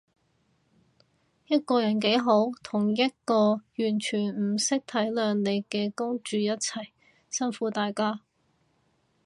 一個人幾好，同一個完全唔識體諒你嘅公主一齊，辛苦大家